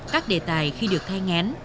các đề tài khi được thay ngén